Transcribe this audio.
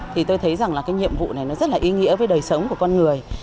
thì tôi thấy rằng là cái nhiệm vụ này nó rất là ý nghĩa với đời sống của con người